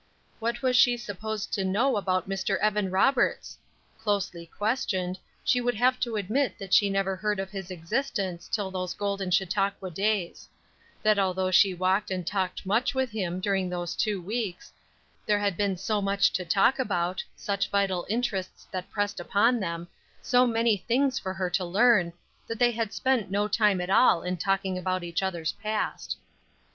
What was she supposed to know about Mr. Evan Roberts? Closely questioned, she would have to admit that she had never heard of his existence till those golden Chautauqua days; that although she walked and talked much with him during those two weeks, there had been so much to talk about, such vital interests that pressed upon them, so many things for her to learn, that they had spent no time at all in talking about each other's past.